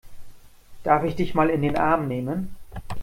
Darf ich dich mal in den Arm nehmen?